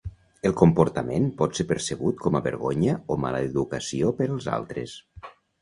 El comportament pot ser percebut com a vergonya o mala educació pels altres.